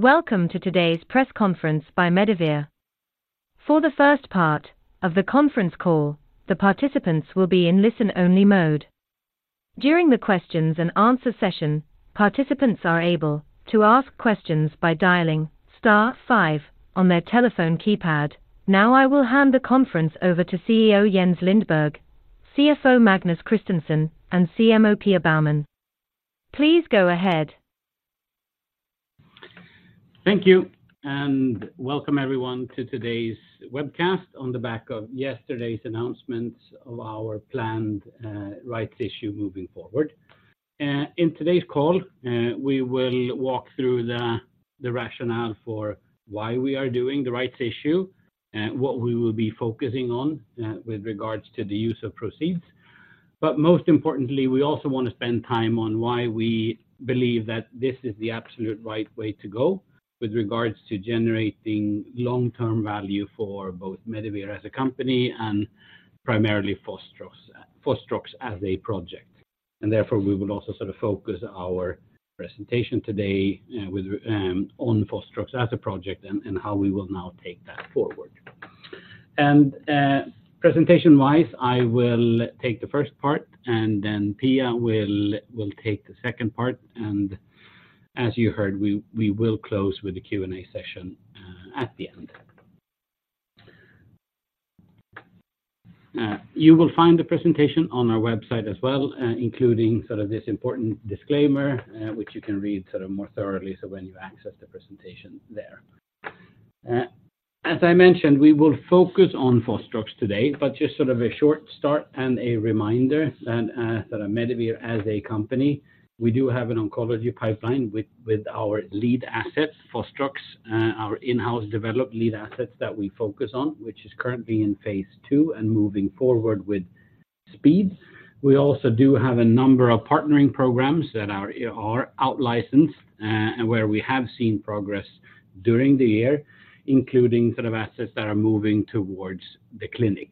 Welcome to today's press conference by Medivir. For the first part of the conference call, the participants will be in listen-only mode. During the questions and answer session, participants are able to ask questions by dialing star five on their telephone keypad. Now, I will hand the conference over to CEO Jens Lindberg, CFO Magnus Christensen, and CMO Pia Baumann. Please go ahead. Thank you, and welcome everyone to today's webcast on the back of yesterday's announcements of our planned rights issue moving forward. In today's call, we will walk through the rationale for why we are doing the rights issue, what we will be focusing on with regards to the use of proceeds. But most importantly, we also want to spend time on why we believe that this is the absolute right way to go with regards to generating long-term value for both Medivir as a company and primarily Fostrox as a project. And therefore, we will also sort of focus our presentation today on Fostrox as a project and how we will now take that forward. Presentation-wise, I will take the first part, and then Pia will take the second part, and as you heard, we will close with a Q&A session at the end. You will find the presentation on our website as well, including sort of this important disclaimer, which you can read sort of more thoroughly so when you access the presentation there. As I mentioned, we will focus on Fostrox today, but just sort of a short start and a reminder that, sort of Medivir as a company, we do have an oncology pipeline with our lead assets, Fostrox, our in-house developed lead assets that we focus on, which is currently in Phase 2 and moving forward with speed. We also do have a number of partnering programs that are out licensed, and where we have seen progress during the year, including sort of assets that are moving towards the clinic.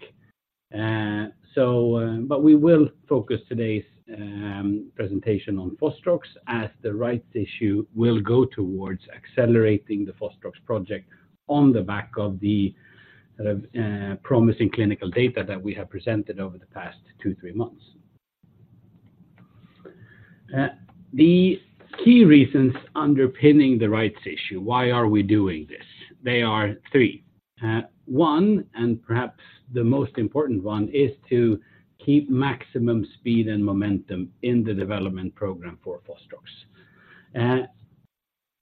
But we will focus today's presentation on Fostrox, as the rights issue will go towards accelerating the Fostrox project on the back of the, sort of, promising clinical data that we have presented over the past two to three months. The key reasons underpinning the rights issue, why are we doing this? They are three. One, and perhaps the most important one, is to keep maximum speed and momentum in the development program for Fostrox.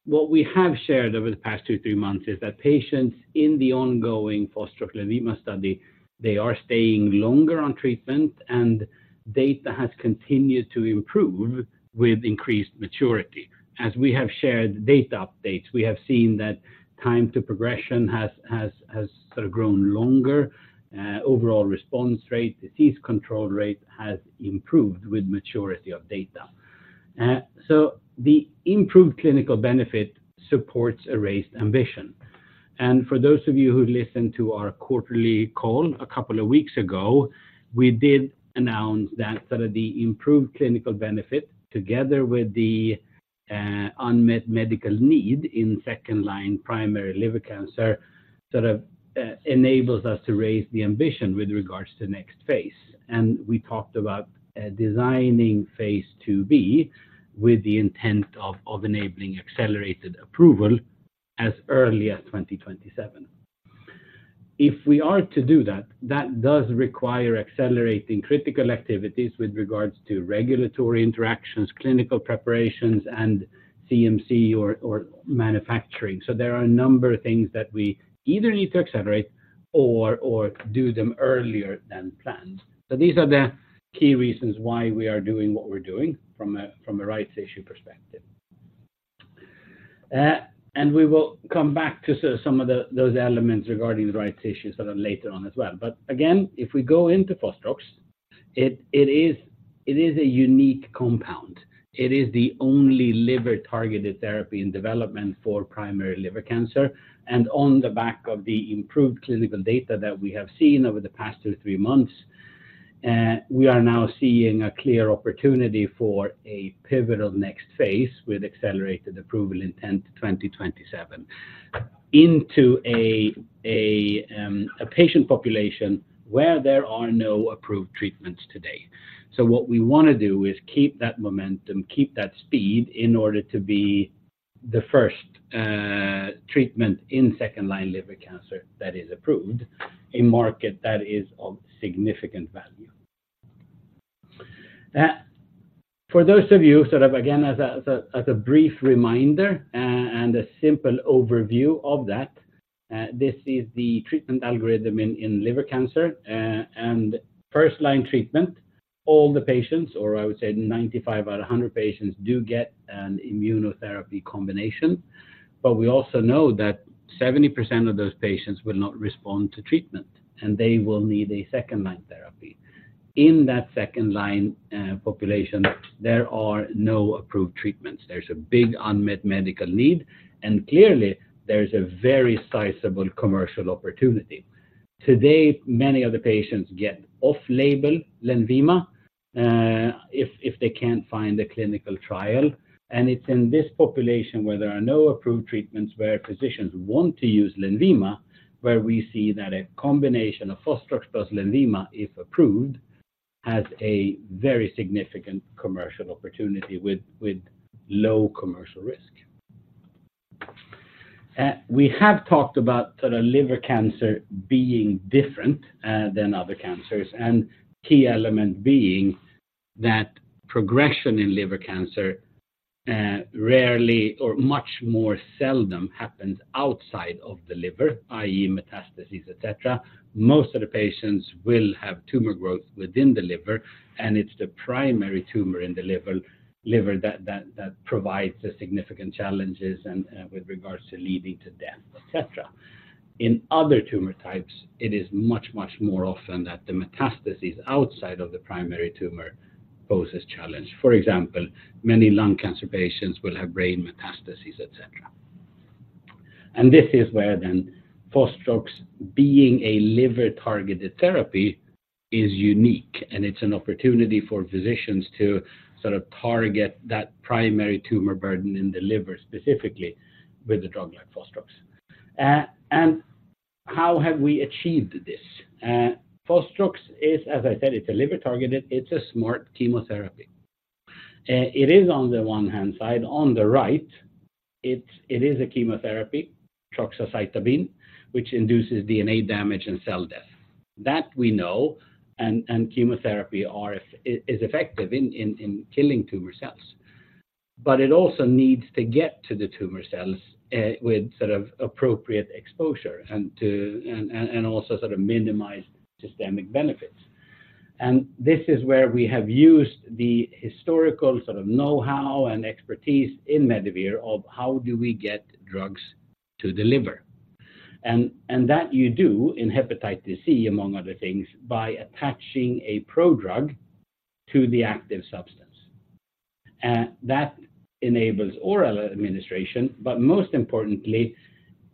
What we have shared over the past two to three months is that patients in the ongoing Fostrox leukemia study, they are staying longer on treatment, and data has continued to improve with increased maturity. As we have shared data updates, we have seen that time to progression has sort of grown longer, overall response rate, disease control rate has improved with maturity of data. So the improved clinical benefit supports a raised ambition. For those of you who listened to our quarterly call a couple of weeks ago, we did announce that sort of the improved clinical benefit, together with the unmet medical need in second-line primary liver cancer, sort of enables us to raise the ambition with regards to next phase. We talked about designing Phase 2b with the intent of enabling accelerated approval as early as 2027. If we are to do that, that does require accelerating critical activities with regards to regulatory interactions, clinical preparations, and CMC or manufacturing. So there are a number of things that we either need to accelerate or do them earlier than planned. So these are the key reasons why we are doing what we're doing from a rights issue perspective. And we will come back to some of those elements regarding the rights issue, sort of later on as well. But again, if we go into Fostrox, it is a unique compound. It is the only liver-targeted therapy in development for primary liver cancer. And on the back of the improved clinical data that we have seen over the past two to three months, we are now seeing a clear opportunity for a pivotal next phase with accelerated approval into 2027, into a patient population where there are no approved treatments today. So what we want to do is keep that momentum, keep that speed, in order to be the first treatment in second-line liver cancer that is approved, a market that is of significant value. For those of you, sort of again, as a brief reminder, and a simple overview of that, this is the treatment algorithm in liver cancer, and first-line treatment, all the patients, or I would say 95 out of 100 patients, do get an immunotherapy combination. But we also know that 70% of those patients will not respond to treatment, and they will need a second-line therapy. In that second line population, there are no approved treatments. There's a big unmet medical need, and clearly, there's a very sizable commercial opportunity.... Today, many of the patients get off-label Lenvima, if they can't find a clinical trial. And it's in this population where there are no approved treatments, where physicians want to use Lenvima, where we see that a combination of Fostrox plus Lenvima, if approved, has a very significant commercial opportunity with low commercial risk. We have talked about sort of liver cancer being different than other cancers, and key element being that progression in liver cancer rarely or much more seldom happens outside of the liver, i.e., metastasis, et cetera. Most of the patients will have tumor growth within the liver, and it's the primary tumor in the liver that provides the significant challenges and with regards to leading to death, et cetera. In other tumor types, it is much, much more often that the metastasis outside of the primary tumor poses challenge. For example, many lung cancer patients will have brain metastasis, et cetera. And this is where then Fostrox being a liver-targeted therapy is unique, and it's an opportunity for physicians to sort of target that primary tumor burden in the liver, specifically with a drug like Fostrox. And how have we achieved this? Fostrox is, as I said, it's a liver-targeted, it's a smart chemotherapy. It is, on the one-hand side, on the right, it is a chemotherapy, troxacitabine, which induces DNA damage and cell death. That we know, and chemotherapy is effective in killing tumor cells. But it also needs to get to the tumor cells with sort of appropriate exposure and to also sort of minimize systemic benefits. And this is where we have used the historical sort of know-how and expertise in Medivir of how do we get drugs to the liver. And that you do in Hepatitis C, among other things, by attaching a prodrug to the active substance. That enables oral administration, but most importantly,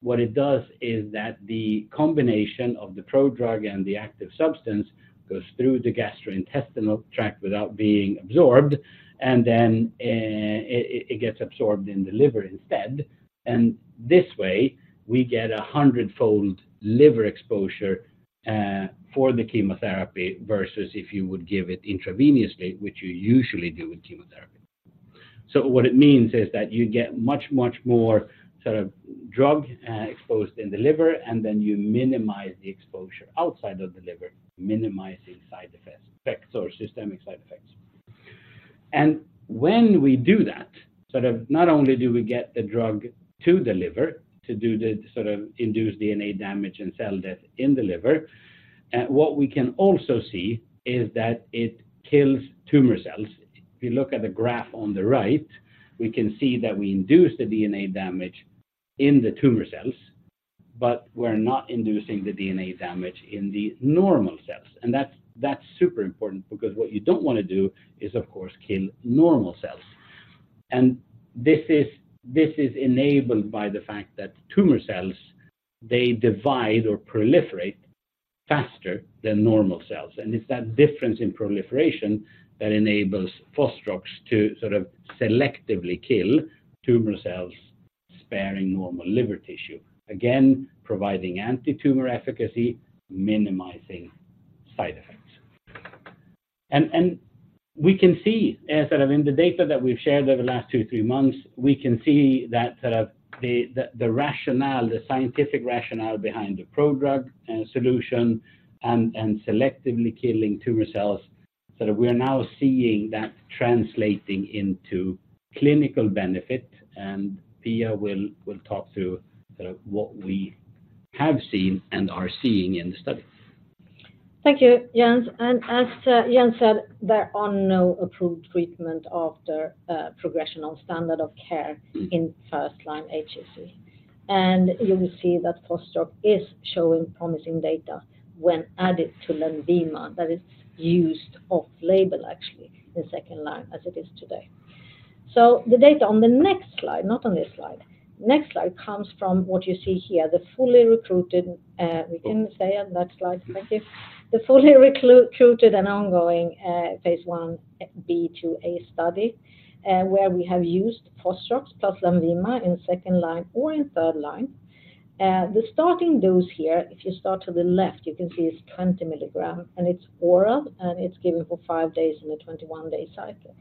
what it does is that the combination of the prodrug and the active substance goes through the gastrointestinal tract without being absorbed, and then it gets absorbed in the liver instead. And this way, we get 100-fold liver exposure for the chemotherapy, versus if you would give it intravenously, which you usually do with chemotherapy. So what it means is that you get much, much more sort of drug exposed in the liver, and then you minimize the exposure outside of the liver, minimizing side effects, effects or systemic side effects. And when we do that, sort of not only do we get the drug to the liver to do the sort of induced DNA damage and cell death in the liver, what we can also see is that it kills tumor cells. If you look at the graph on the right, we can see that we induce the DNA damage in the tumor cells, but we're not inducing the DNA damage in the normal cells. And that's, that's super important because what you don't want to do is, of course, kill normal cells. And this is enabled by the fact that tumor cells, they divide or proliferate faster than normal cells, and it's that difference in proliferation that enables Fostrox to sort of selectively kill tumor cells, sparing normal liver tissue. Again, providing anti-tumor efficacy, minimizing side effects. And we can see sort of in the data that we've shared over the last two to three months, we can see that sort of the rationale, the scientific rationale behind the prodrug solution and selectively killing tumor cells, sort of we are now seeing that translating into clinical benefit, and Pia will talk through sort of what we have seen and are seeing in the study. Thank you, Jens. And as Jens said, there are no approved treatment after progressional standard of care in first-line HCC. And you will see that Fostrox is showing promising data when added to Lenvima, that is used off-label, actually, in second line as it is today. So the data on the next slide, not on this slide, next slide comes from what you see here, the fully recruited... We can stay on that slide, thank you. The fully recruited and ongoing Phase 1b/2aA study, where we have used Fostrox plus Lenvima in second line or in third line. The starting dose here, if you start to the left, you can see it's 20 mg, and it's oral, and it's given for five days in a 21-day cycle.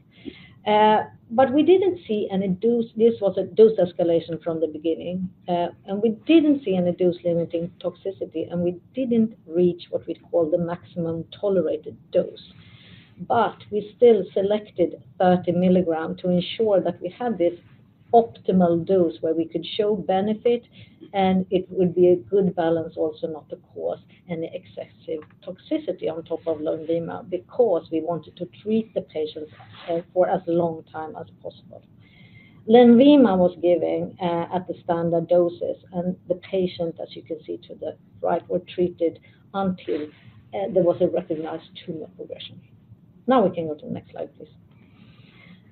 But we didn't see an induced... This was a dose escalation from the beginning, and we didn't see an induced limiting toxicity, and we didn't reach what we'd call the maximum tolerated dose. But we still selected 30 mg to ensure that we had this optimal dose where we could show benefit, and it would be a good balance, also not to cause any excessive toxicity on top of Lenvima, because we wanted to treat the patients, for as long time as possible. Lenvima was given, at the standard doses, and the patient, as you can see to the right, were treated until, there was a recognized tumor progression. Now we can go to the next slide, please.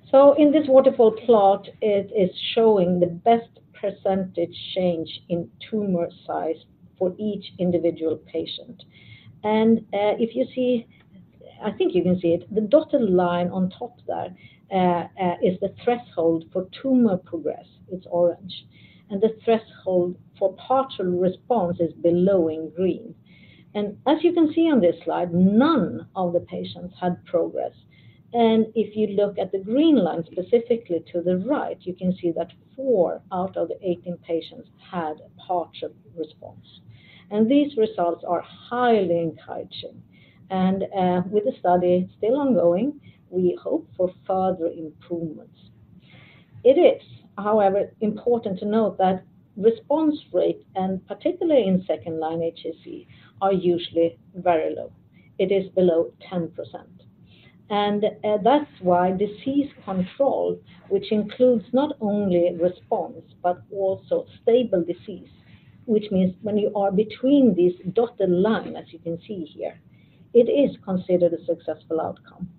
So in this waterfall plot, it is showing the best percentage change in tumor size for each individual patient. If you see, I think you can see it, the dotted line on top there is the threshold for tumor progress; it's orange, and the threshold for partial response is below in green. And as you can see on this slide, none of the patients had progress. And if you look at the green line, specifically to the right, you can see that four out of the 18 patients had a partial response. And these results are highly encouraging, and with the study still ongoing, we hope for further improvements. It is, however, important to note that response rate, and particularly in second-line HCC, are usually very low. It is below 10%. That's why disease control, which includes not only response but also stable disease, which means when you are between this dotted line, as you can see here, it is considered a successful outcome.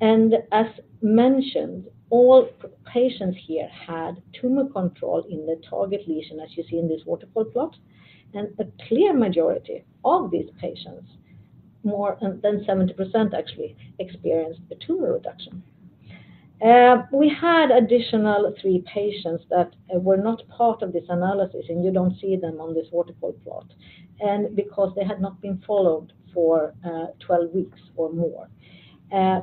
As mentioned, all patients here had tumor control in the target lesion, as you see in this waterfall plot, and a clear majority of these patients, more than 70% actually, experienced a tumor reduction. We had additional three patients that were not part of this analysis, and you don't see them on this waterfall plot, and because they had not been followed for 12 weeks or more.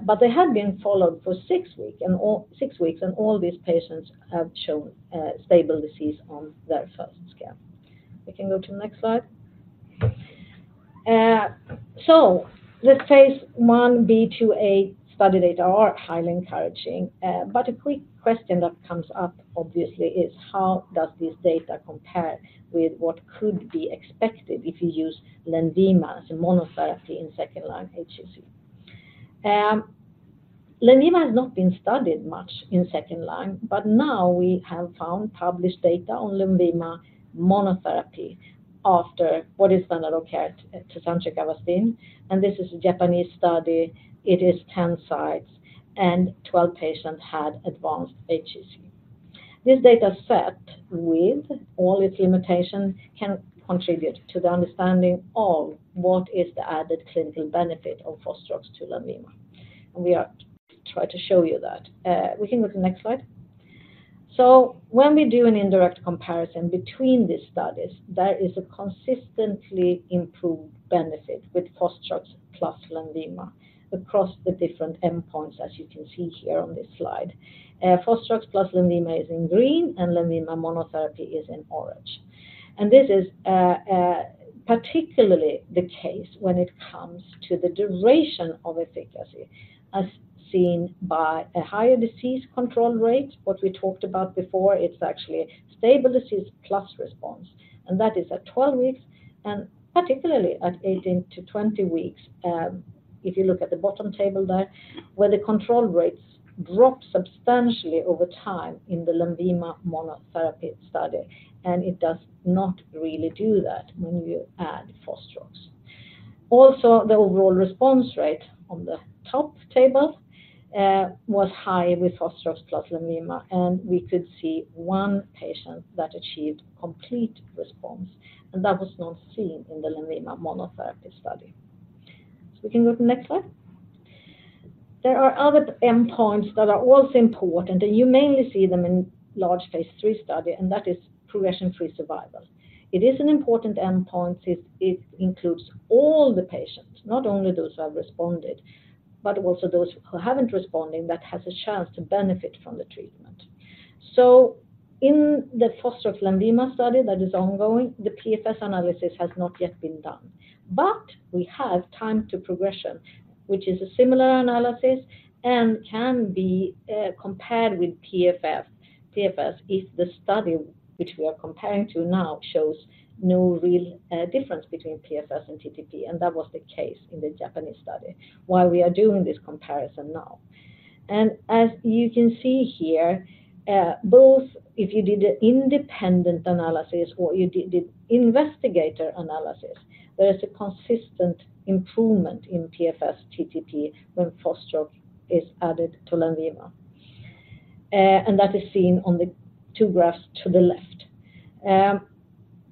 But they had been followed for six weeks and all, six weeks, and all these patients have shown stable disease on their first scan. We can go to the next slide. So the Phase Ib/IIa study data are highly encouraging, but a quick question that comes up, obviously, is: How does this data compare with what could be expected if you use Lenvima as a monotherapy in second-line HCC? Lenvima has not been studied much in second-line, but now we have found published data on Lenvima monotherapy after what is standard of care to be Tecentriq/Avastin, and this is a Japanese study. It is 10 sites, and 12 patients had advanced HCC. This data set, with all its limitations, can contribute to the understanding of what is the added clinical benefit of Fostrox to Lenvima, and we are try to show you that. We can go to the next slide. So when we do an indirect comparison between these studies, there is a consistently improved benefit with Fostrox plus Lenvima across the different endpoints, as you can see here on this slide. Fostrox plus Lenvima is in green, and Lenvima monotherapy is in orange. And this is particularly the case when it comes to the duration of efficacy, as seen by a higher disease control rate. What we talked about before, it's actually stable disease plus response, and that is at 12 weeks and particularly at 18-20 weeks. If you look at the bottom table there, where the control rates drop substantially over time in the Lenvima monotherapy study, and it does not really do that when you add Fostrox. Also, the overall response rate on the top table was high with Fostrox plus Lenvima, and we could see 1 patient that achieved complete response, and that was not seen in the Lenvima monotherapy study. So we can go to the next slide. There are other endpoints that are also important, and you mainly see them in large Phase 2 study, and that is progression-free survival. It is an important endpoint since it includes all the patients, not only those who have responded, but also those who haven't responded that has a chance to benefit from the treatment. So in the Fostrox Lenvima study that is ongoing, the PFS analysis has not yet been done, but we have time to progression, which is a similar analysis and can be compared with PFS. PFS is the study which we are comparing to now, shows no real difference between PFS and TTP, and that was the case in the Japanese study, why we are doing this comparison now. As you can see here, both if you did an independent analysis or you did the investigator analysis, there is a consistent improvement in PFS TTP when Fostrox is added to Lenvima. And that is seen on the two graphs to the left.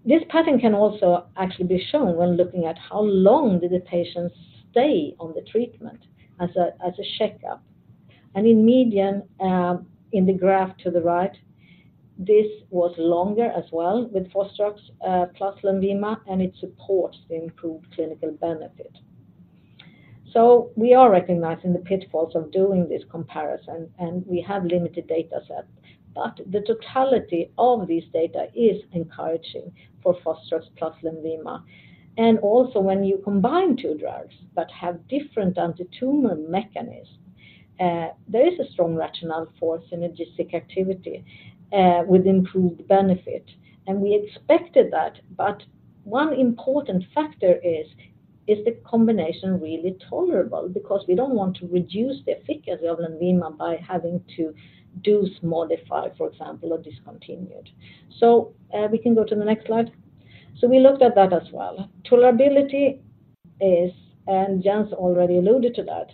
This pattern can also actually be shown when looking at how long did the patients stay on the treatment as a checkup. In median, in the graph to the right, this was longer as well with Fostrox plus Lenvima, and it supports the improved clinical benefit. So we are recognizing the pitfalls of doing this comparison, and we have limited data sets, but the totality of this data is encouraging for Fostrox plus Lenvima. And also, when you combine two drugs but have different anti-tumor mechanisms, there is a strong rationale for synergistic activity, with improved benefit, and we expected that. But one important factor is the combination really tolerable? Because we don't want to reduce the efficacy of Lenvima by having to dose modify, for example, or discontinued. So, we can go to the next slide. So we looked at that as well. Tolerability is, and Jens already alluded to that,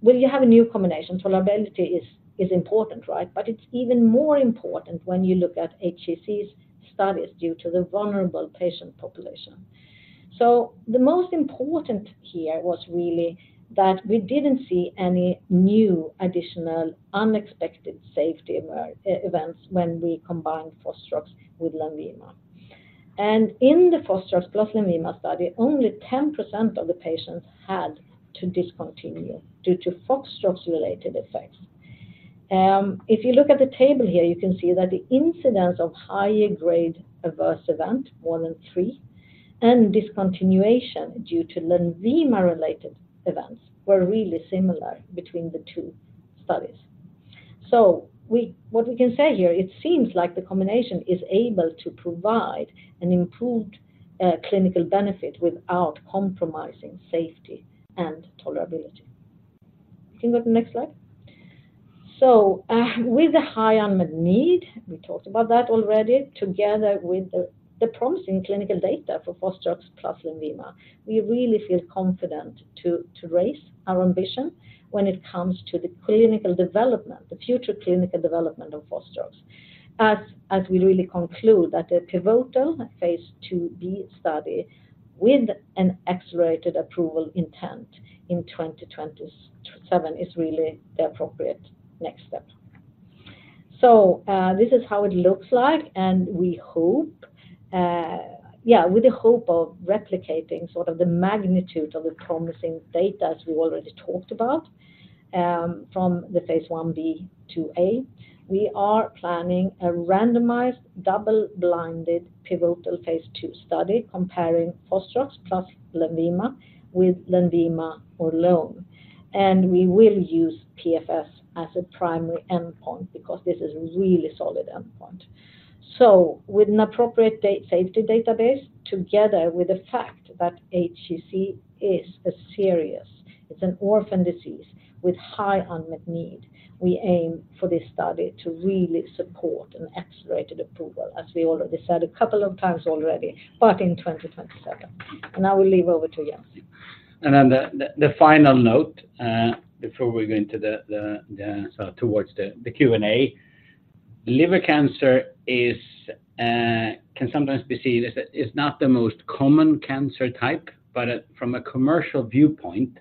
when you have a new combination, tolerability is important, right? But it's even more important when you look at HCC studies due to the vulnerable patient population. So the most important here was really that we didn't see any new additional unexpected safety events when we combined Fostrox with Lenvima. And in the Fostrox plus Lenvima study, only 10% of the patients had to discontinue due to Fostrox related effects. If you look at the table here, you can see that the incidence of higher grade adverse event, more than three, and discontinuation due to Lenvima related events, were really similar between the two studies. So what we can say here, it seems like the combination is able to provide an improved clinical benefit without compromising safety and tolerability. You can go to the next slide? So, with the high unmet need, we talked about that already, together with the promising clinical data for Fostrox plus Lenvima, we really feel confident to raise our ambition when it comes to the clinical development, the future clinical development of Fostrox. As we really conclude that a pivotal Phase 2b study with an accelerated approval intent in 2027 is really the appropriate next step. So, this is how it looks like, and we hope, with the hope of replicating sort of the magnitude of the promising data, as we already talked about, from the Phase 1b/2a, we are planning a randomized, double-blinded, pivotal Phase 2 study comparing Fostrox plus Lenvima with Lenvima alone. And we will use PFS as a primary endpoint, because this is a really solid endpoint. With an appropriate data safety database, together with the fact that HCC is a serious, it's an orphan disease with high unmet need, we aim for this study to really support an accelerated approval, as we already said a couple of times already, but in 2027. Now I will hand over to Jens. And then the final note before we go into towards the Q&A. Liver cancer can sometimes be seen as it's not the most common cancer type, but from a commercial viewpoint,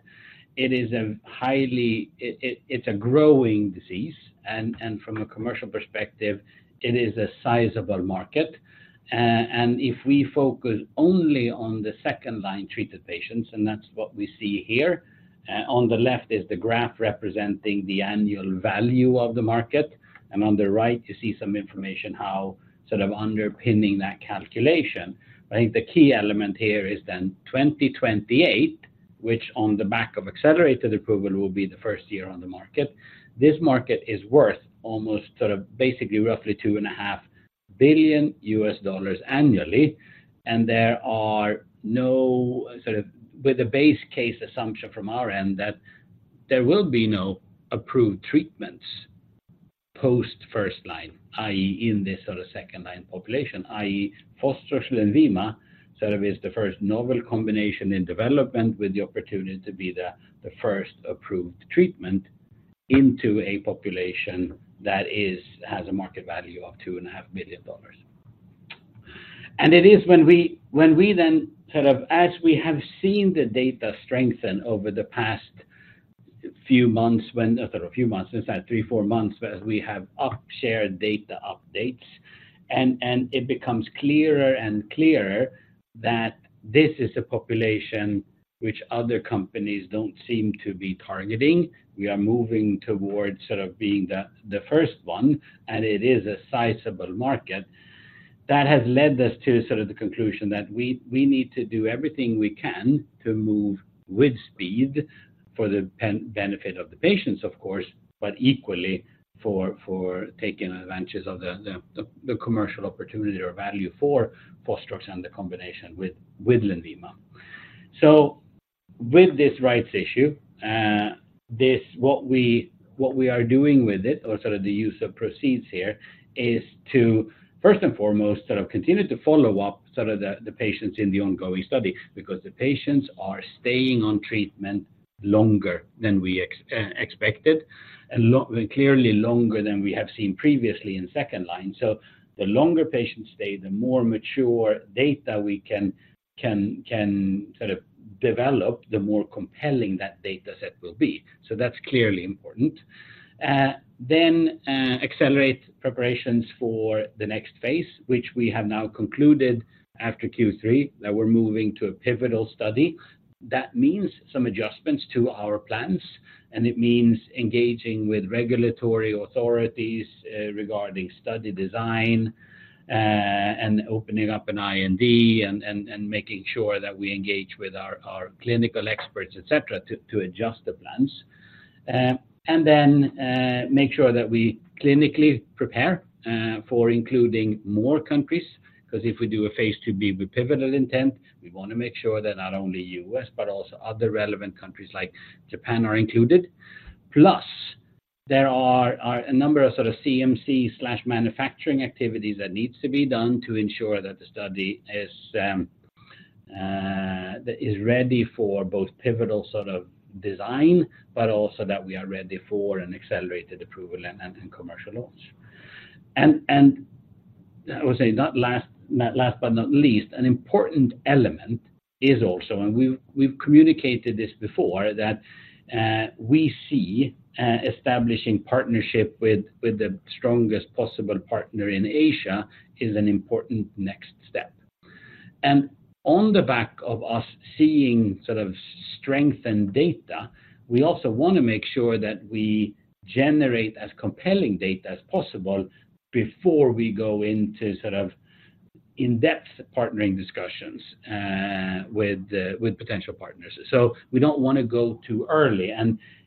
it is a highly... it's a growing disease, and from a commercial perspective, it is a sizable market. And if we focus only on the second-line treated patients, and that's what we see here, on the left is the graph representing the annual value of the market, and on the right, you see some information how sort of underpinning that calculation. I think the key element here is then 2028, which on the back of accelerated approval will be the first year on the market. This market is worth almost sort of basically roughly $2.5 billion annually, and there are no, with the base case assumption from our end, that there will be no approved treatments post first line, i.e., in this sort of second line population, i.e., Fostrox and Lenvima sort of is the first novel combination in development, with the opportunity to be the first approved treatment into a population that has a market value of $2.5 million. And it is when we then sort of, as we have seen the data strengthen over the past few months, a few months, inside three, four months, as we have updated data updates, and it becomes clearer and clearer that this is a population which other companies don't seem to be targeting. We are moving towards sort of being the first one, and it is a sizable market. That has led us to sort of the conclusion that we need to do everything we can to move with speed for the benefit of the patients, of course, but equally for taking advantages of the commercial opportunity or value for Fostrox and the combination with Lenvima. So with this rights issue, this, what we are doing with it, or sort of the use of proceeds here, is to first and foremost, sort of continue to follow up sort of the patients in the ongoing study, because the patients are staying on treatment longer than we expected, and clearly longer than we have seen previously in second line. So the longer patients stay, the more mature data we can sort of develop, the more compelling that data set will be. So that's clearly important. Then, accelerate preparations for the next phase, which we have now concluded after Q3, that we're moving to a pivotal study. That means some adjustments to our plans, and it means engaging with regulatory authorities, regarding study design, and opening up an IND and making sure that we engage with our clinical experts, et cetera, to adjust the plans. And then, make sure that we clinically prepare, for including more countries, because if we do a Phase 2b with pivotal intent, we wanna make sure that not only U.S., but also other relevant countries like Japan are included. There are a number of sort of CMC/manufacturing activities that needs to be done to ensure that the study is ready for both pivotal sort of design, but also that we are ready for an accelerated approval and commercial launch. And I would say not last but not least, an important element is also, and we've communicated this before, that we see establishing partnership with the strongest possible partner in Asia is an important next step. And on the back of us seeing sort of strengthened data, we also wanna make sure that we generate as compelling data as possible before we go into sort of in-depth partnering discussions with the potential partners. So we don't wanna go too early.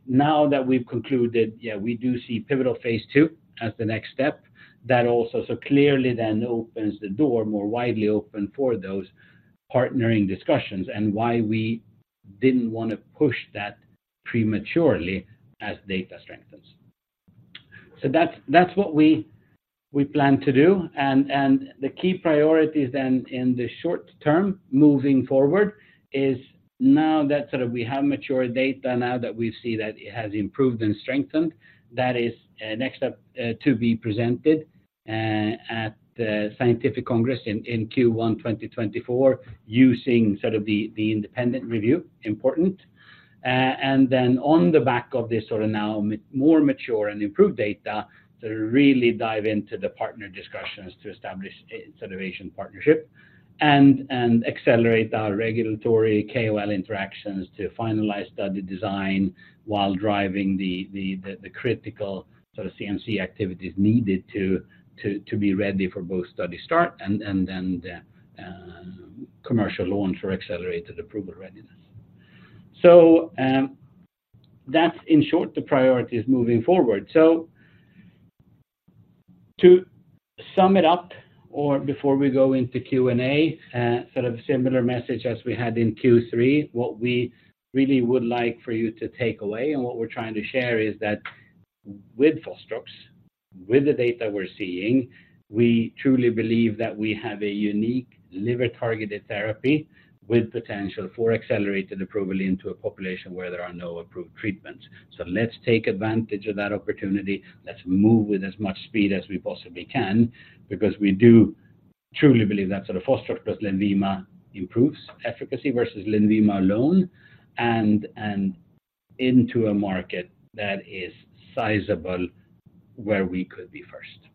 Now that we've concluded, yeah, we do see pivotal Phase 2 as the next step, that also so clearly then opens the door more widely open for those partnering discussions, and why we didn't wanna push that prematurely as data strengthens. So that's what we plan to do. And the key priorities then in the short term, moving forward, is now that sort of we have mature data, now that we see that it has improved and strengthened, that is next step to be presented at the scientific congress in Q1 2024, using sort of the independent review, important. And then on the back of this sort of now more mature and improved data, to really dive into the partner discussions to establish a sort of Asian partnership. And accelerate our regulatory KOL interactions to finalize study design, while driving the critical sort of CMC activities needed to be ready for both study start and commercial launch or accelerated approval readiness. So, that's in short the priorities moving forward. So to sum it up, or before we go into Q&A, sort of similar message as we had in Q3, what we really would like for you to take away, and what we're trying to share, is that with Fostrox, with the data we're seeing, we truly believe that we have a unique liver-targeted therapy with potential for accelerated approval into a population where there are no approved treatments. So let's take advantage of that opportunity. Let's move with as much speed as we possibly can, because we do truly believe that sort of Fostrox Lenvima improves efficacy versus Lenvima alone, and, and into a market that is sizable, where we could be first.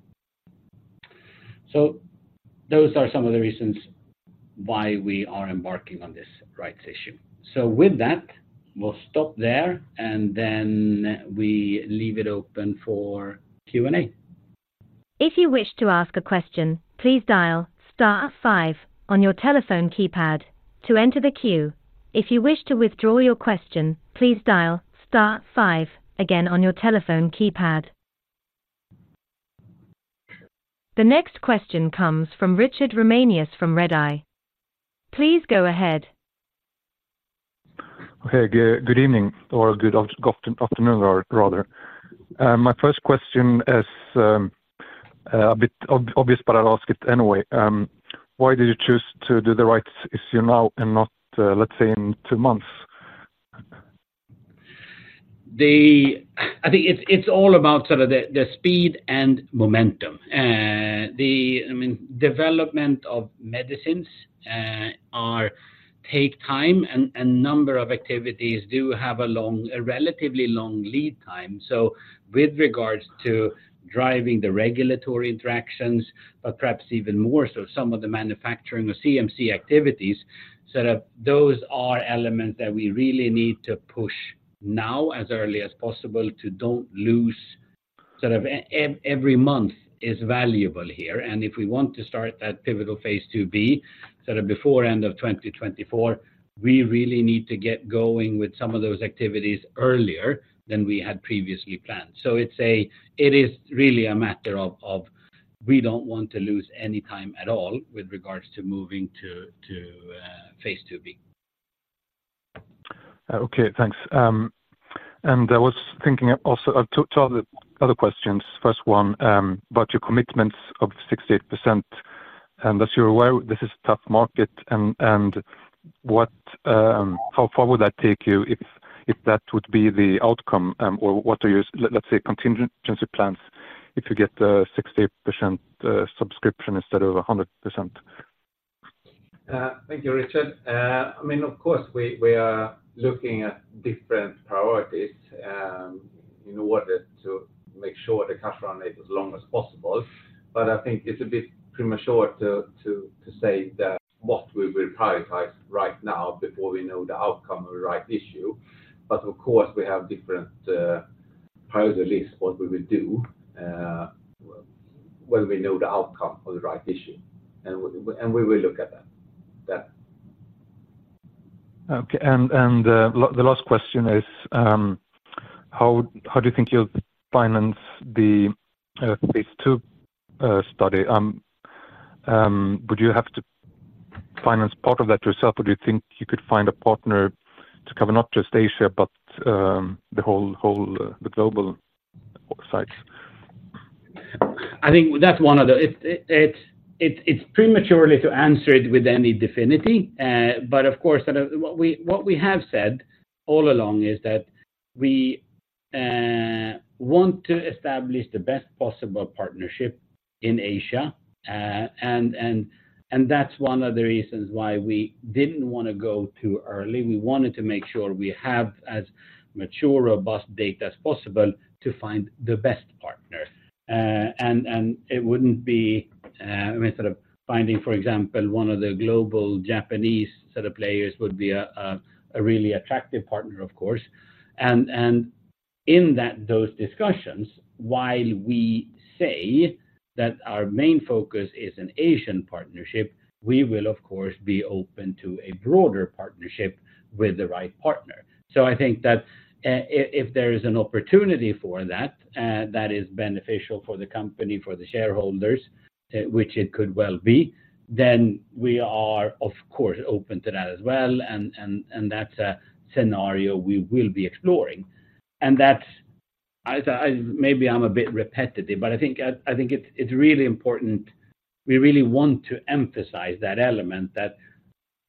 So those are some of the reasons why we are embarking on this rights issue. So with that, we'll stop there, and then we leave it open for Q&A. If you wish to ask a question, please dial star five on your telephone keypad to enter the queue. If you wish to withdraw your question, please dial star five again on your telephone keypad. The next question comes from Richard Ramanius from Redeye. Please go ahead. Hey, good evening, or good afternoon, or rather. My first question is a bit obvious, but I'll ask it anyway. Why did you choose to do the rights issue now and not, let's say, in two months? I think it's all about sort of the speed and momentum. I mean, development of medicines are take time, and number of activities do have a long, a relatively long lead time. So with regards to driving the regulatory interactions, but perhaps even more so, some of the manufacturing or CMC activities, sort of those are elements that we really need to push now as early as possible to don't lose, sort of every month is valuable here. And if we want to start that pivotal Phase 2b, sort of before end of 2024, we really need to get going with some of those activities earlier than we had previously planned. So it is really a matter of, we don't want to lose any time at all with regards to moving to Phase 2b. Okay, thanks. And I was thinking also of two other questions. First one, about your commitments of 68%, and as you're aware, this is a tough market, and what, how far would that take you if that would be the outcome? Or what are your, let's say, contingency plans if you get a 60% subscription instead of a 100%? Thank you, Richard. I mean, of course, we are looking at different priorities in order to make sure the cash run as long as possible. But I think it would be premature to say that what we will prioritize right now before we know the outcome of the right issue. But of course, we have different priority lists, what we will do when we know the outcome of the right issue. And we will look at that. Yeah. Okay, and the last question is, how do you think you'll finance the Phase 2 study? Would you have to finance part of that yourself, or do you think you could find a partner to cover not just Asia, but the whole global sites? I think that's one of the... It's prematurely to answer it with any definit y. But of course, sort of, what we have said all along is that we want to establish the best possible partnership in Asia. And that's one of the reasons why we didn't wanna go too early. We wanted to make sure we have as mature, robust data as possible to find the best partner. And it wouldn't be, I mean, sort of, finding, for example, one of the global Japanese set of players would be a really attractive partner, of course. And in those discussions, while we say that our main focus is an Asian partnership, we will, of course, be open to a broader partnership with the right partner. So I think that, if there is an opportunity for that, that is beneficial for the company, for the shareholders, which it could well be, then we are, of course, open to that as well, and that's a scenario we will be exploring. And that's... I maybe I'm a bit repetitive, but I think, I think it's really important, we really want to emphasize that element, that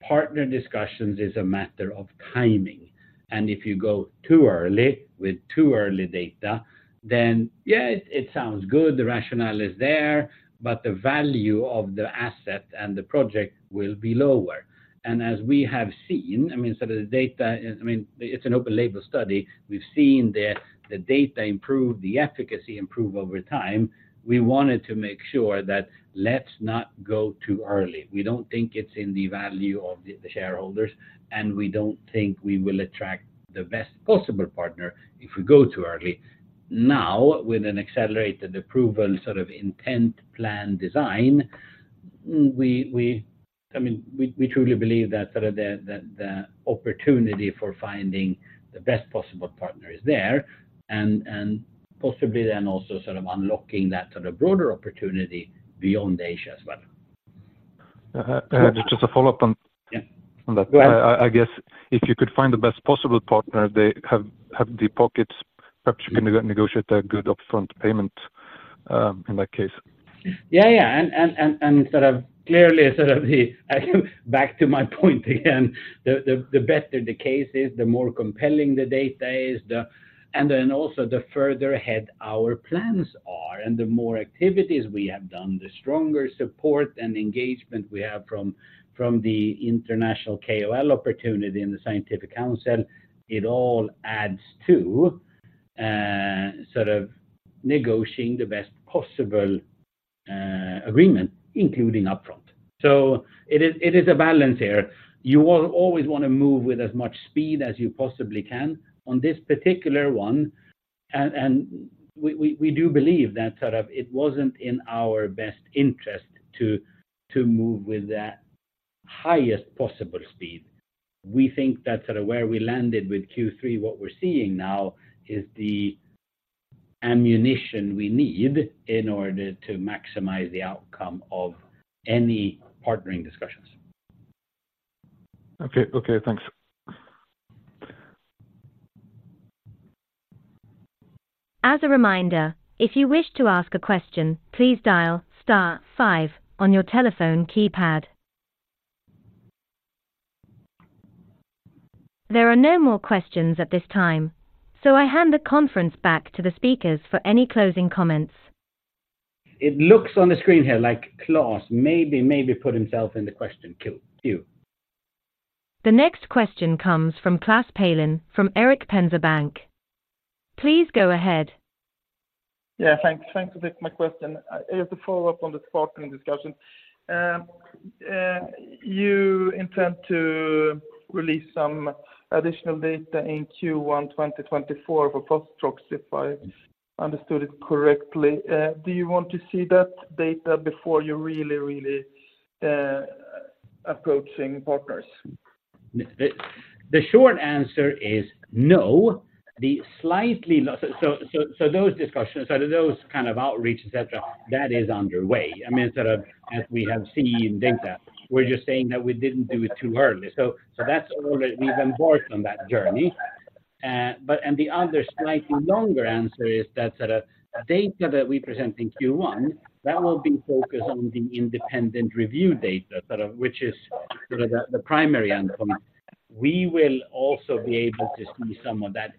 partner discussions is a matter of timing, and if you go too early with too early data, then, yeah, it sounds good, the rationale is there, but the value of the asset and the project will be lower. And as we have seen, I mean, sort of, the data is, I mean, it's an open label study. We've seen the data improve, the efficacy improve over time. We wanted to make sure that let's not go too early. We don't think it's in the value of the shareholders, and we don't think we will attract the best possible partner if we go too early. Now, with an accelerated approval, sort of, intent, plan, design, I mean, we truly believe that, sort of, the opportunity for finding the best possible partner is there, and possibly then also sort of unlocking that, sort of, broader opportunity beyond Asia as well. Just a follow-up on- Yeah. Go ahead. On that. I guess if you could find the best possible partner, they have deep pockets, perhaps you can negotiate a good upfront payment, in that case. Yeah, yeah, and sort of clearly, sort of, back to my point again, the better the case is, the more compelling the data is, the... And then also the further ahead our plans are and the more activities we have done, the stronger support and engagement we have from the international KOL opportunity in the scientific council, it all adds to sort of negotiating the best possible agreement, including upfront. So it is a balance here. You always wanna move with as much speed as you possibly can. On this particular one, and we do believe that, sort of, it wasn't in our best interest to move with the highest possible speed. We think that, sort of, where we landed with Q3, what we're seeing now is the ammunition we need in order to maximize the outcome of any partnering discussions. Okay. Okay, thanks. As a reminder, if you wish to ask a question, please dial star five on your telephone keypad. There are no more questions at this time, so I hand the conference back to the speakers for any closing comments. It looks on the screen here like Klas maybe, maybe put himself in the question queue. The next question comes from Klas Palin from Erik Penser Bank. Please go ahead. Yeah, thanks. Thanks for taking my question. It is to follow up on the partnering discussion. You intend to release some additional data in Q1 2024 for Fostrox, if I understood it correctly. Do you want to see that data before you're really, really approaching partners? The short answer is no. The slightly less... So those discussions, those kind of outreach, et cetera, that is underway. I mean, sort of, as we have seen in data, we're just saying that we didn't do it too early. So that's already we've embarked on that journey. But, and the other slightly longer answer is that, sort of, data that we present in Q1, that will be focused on the independent review data, sort of, which is, sort of, the primary endpoint. We will also be able to see some of that.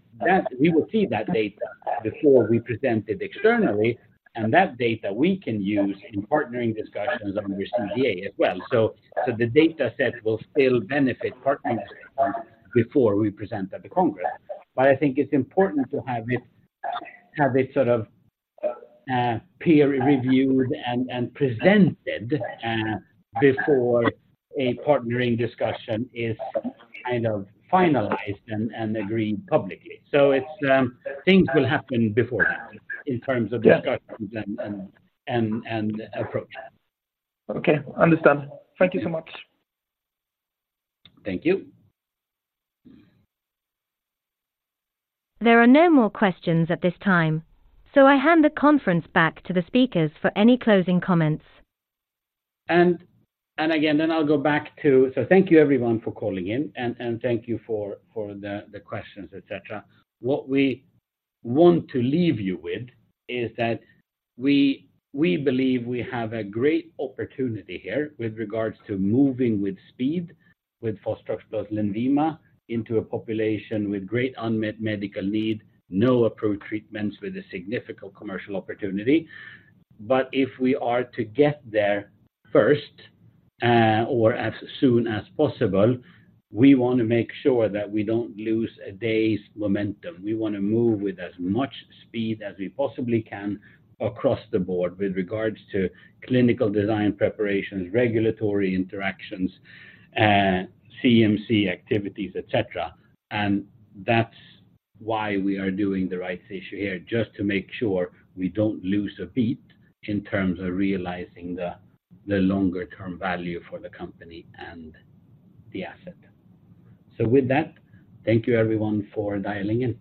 We will see that data before we present it externally, and that data we can use in partnering discussions under CDA as well. So the data set will still benefit partnering before we present at the Congress. But I think it's important to have it sort of peer reviewed and presented before a partnering discussion is kind of finalized and agreed publicly. So it's things will happen before that in terms of- Yeah. discussions and approach. Okay, understand. Thank you so much. Thank you. There are no more questions at this time, so I hand the conference back to the speakers for any closing comments. So thank you everyone for calling in, and thank you for the questions, et cetera. What we want to leave you with is that we believe we have a great opportunity here with regards to moving with speed, with Fostrox plus Lenvima, into a population with great unmet medical need, no approved treatments with a significant commercial opportunity. But if we are to get there first, or as soon as possible, we wanna make sure that we don't lose a day's momentum. We wanna move with as much speed as we possibly can across the board with regards to clinical design preparations, regulatory interactions, CMC activities, et cetera. That's why we are doing the rights issue here, just to make sure we don't lose a beat in terms of realizing the longer-term value for the company and the asset. With that, thank you everyone for dialing in.